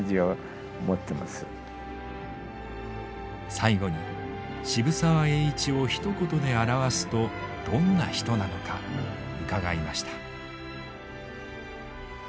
最後に渋沢栄一をひと言で表すとどんな人なのか伺いました。